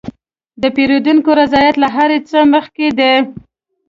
د پیرودونکي رضایت له هر څه مخکې دی.